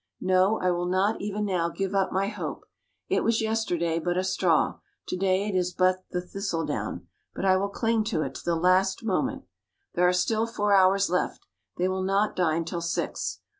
No, I will not even now give up my hope. It was yesterday but a straw to day it is but the thistledown; but I will cling to it to the last moment. There are still four hours left; they will not dine till six.